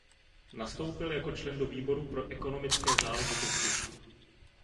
Nastoupil jako člen do výboru pro ekonomické záležitosti.